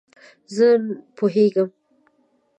زه پوهیږم